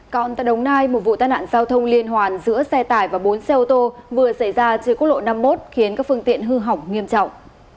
còn tại đồng nai một vụ tai nạn giao thông liên hoàn giữa xe tải và bốn xe ô tô vừa xảy ra trên quốc lộ năm mươi một khiến các phương tiện hư hỏng nghiêm trọng